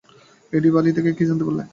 এডি, বালি থেকে কী জানতে পেলে?